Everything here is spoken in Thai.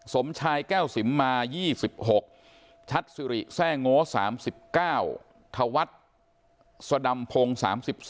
สมชายแก้วสิมมา๒๖ชัดสิริแทร่งโง่๓๙ธวัฒน์สดำพงศ์๓๒